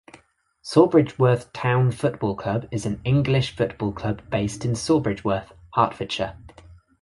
Sawbridgeworth Town Football Club is an English football club based in Sawbridgeworth, Hertfordshire.